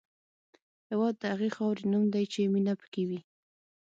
هېواد د هغې خاورې نوم دی چې مینه پکې وي.